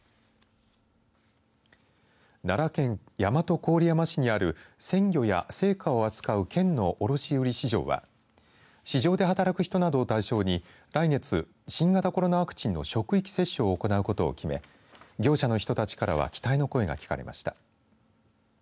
奈良県大和郡山市にある鮮魚や青果を扱う県の卸売市場は市場で働く人などを対象に来月新型コロナワクチンの職域接種を行うことを決め業者の人たちからは期待の声が聞かれました。